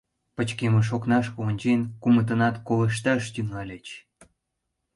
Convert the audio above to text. Пычкемыш окнашке ончен, кумытынат колышташ тӱҥальыч.